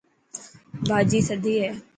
ڀاڄي ٿدي هي.